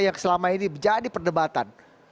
yang selama ini menjadi perdebatan